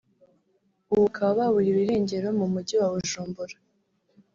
ubu bakaba baburiwe irengero mu mujyi wa Bujumbura